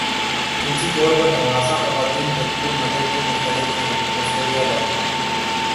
جنسی طور پر ہراساں خواتین بھرپور مدد کی مستحق ہیں ایشوریا رائے